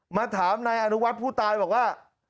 มาถามนายอนุวัฒน์ผู้ตายบอกว่า